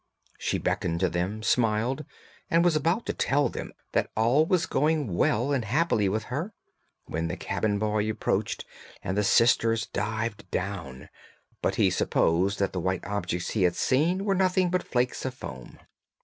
She beckoned to them, smiled, and was about to tell them that all was going well and happily with her, when the cabin boy approached, and the sisters dived down, but he supposed that the white objects he had seen were nothing but flakes of foam.